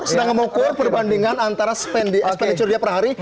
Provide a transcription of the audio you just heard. sedang mengukur perbandingan antara speniture dia per hari